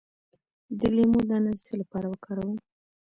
د لیمو دانه د څه لپاره وکاروم؟